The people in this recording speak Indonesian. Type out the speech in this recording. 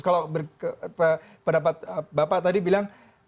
kalau pendapat bapak tadi bilang